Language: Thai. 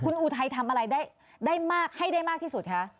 คุณอุทัยทำอะไรได้มากให้ได้มากที่สุดคะ